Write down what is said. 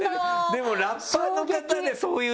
でもラッパーの方でそういう人が。